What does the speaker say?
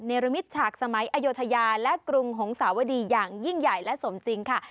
รมิตฉากสมัยอโยธยาและกรุงหงสาวดีอย่างยิ่งใหญ่และสมจริงค่ะ